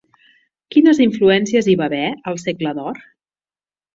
Quines influències hi va haver al segle d'or?